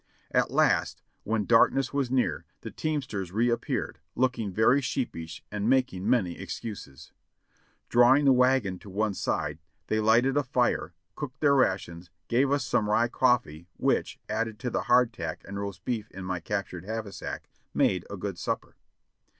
At last, when darkness was near, the teamsters reappeared, looking very sheepish and making many excuses. Drawing the wagon to one side, they lighted a fire, cooked their rations, gave us some rye coffee, which, added to the hardtack and roast beef in my cap tured haversack, made a good supper.